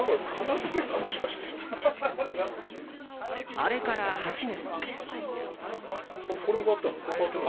あれから８年。